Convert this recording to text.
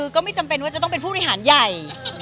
ก็ไม่จำเป็นว่าจะต้องเป็นผู้ในหลาย